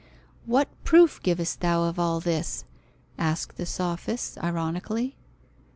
"What proof givest thou of all this?" asks the sophist, ironically.